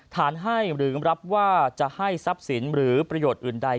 ให้หรือรับว่าจะให้ทรัพย์สินหรือประโยชน์อื่นใด